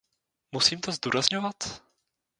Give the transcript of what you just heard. Musím to zdůrazňovat?